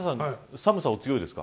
寒さ、お強いですか。